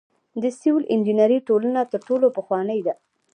د سیول انجنیری ټولنه تر ټولو پخوانۍ ده.